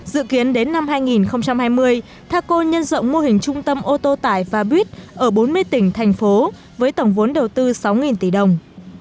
dự kiến đến năm hai nghìn hai mươi thaco nhân rộng mô hình trung tâm ô tô tải và buýt ở bốn mươi tỉnh thành phố với tổng vốn đầu tư sáu tỷ đồng